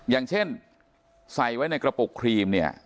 อย่างเช่นใส่ไว้ในกระปุกครีมเนี่ย